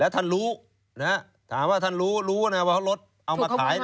แล้วท่านรู้นะครับถามว่าท่านรู้นะครับว่ารถเอามาขาย